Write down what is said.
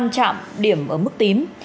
năm trạm điểm ở mức tím